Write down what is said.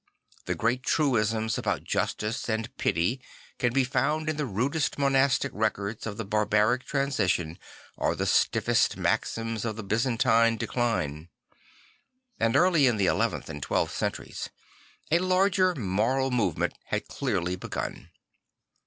The great truisms about justice and pity can be found in the rudest monastic records of the barbaric transition or the stiffest maxims of the Byzantine decline. And early in the eleventh and twelfth centuries a larger moral movement had clearly begun.